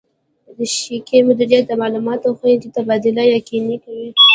د شبکې مدیریت د معلوماتو خوندي تبادله یقیني کوي.